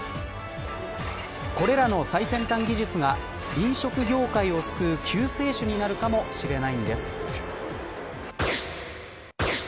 これらの最先端技術が飲食業界を救う救世主になるかもしれないんです。